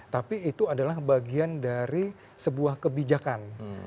tapi itu adalah bagian dari sebuah kebijakan